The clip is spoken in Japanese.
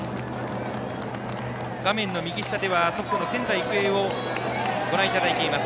画面右下ではトップの仙台育英をご覧いただいています。